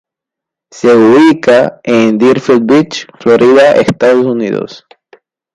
Se ubica en Deerfield Beach, Florida, Estados Unidos.